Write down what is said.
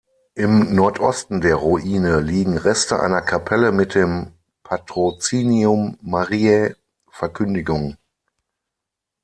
Im Nordosten der Ruine liegen Reste einer Kapelle mit dem Patrozinium Mariä Verkündigung.